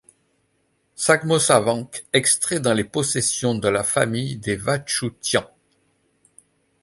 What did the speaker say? Saghmosavank entrait dans les possessions de la famille des Vatchoutian.